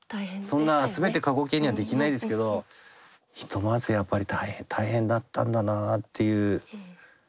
そんな全て過去形にはできないですけどひとまずやっぱり大変だったんだなあっていう。